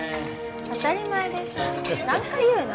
当たり前でしょ何回言うの？